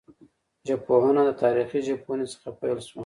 ژبپوهنه د تاریخي ژبپوهني څخه پیل سوه.